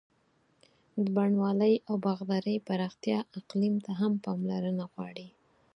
د بڼوالۍ او باغدارۍ پراختیا اقلیم ته هم پاملرنه غواړي.